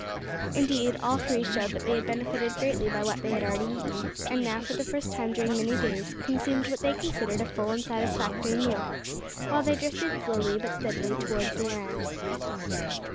Indeed, all three showed that they had benefited greatly by what they had already eaten, and now, for the first time during many days, consumed what they considered a full and satisfactory meal, while they drifted slowly, but steadily, towards the land.